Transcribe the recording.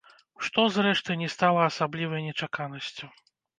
Што, зрэшты, не стала асаблівай нечаканасцю.